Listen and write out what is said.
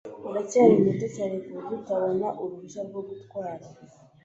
Uracyari muto cyane kuburyo utabona uruhushya rwo gutwara.